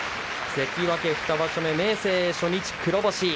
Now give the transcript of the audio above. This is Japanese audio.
関脇２場所目、明生初日黒星。